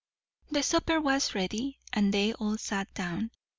The supper was ready, and they all sat down.